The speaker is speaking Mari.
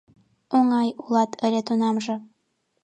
Оҥай улат ыле тунамже.